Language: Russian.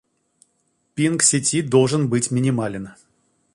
Пинг сети должен быть минимален